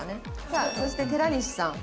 さあそして寺西さん。